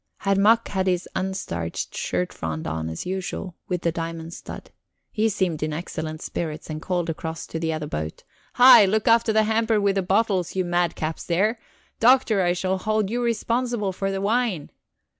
Herr Mack had his unstarched shirt front on as usual, with the diamond stud. He seemed in excellent spirits, and called across to the other boat: "Hi, look after the hamper with the bottles, you madcaps there. Doctor, I shall hold you responsible for the wine."